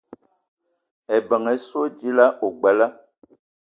Ebeng essoe dila ogbela